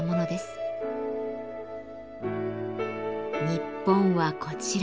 日本はこちら。